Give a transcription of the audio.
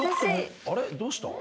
あれどうした？